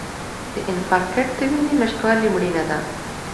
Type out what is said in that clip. د انفارکټ د وینې نشتوالي مړینه ده.